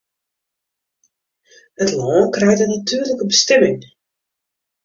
It lân krijt in natuerlike bestimming.